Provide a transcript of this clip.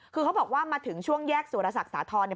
คือเขาบอกว่ามาถึงช่วงแยกสุรสัตว์สาธารณ์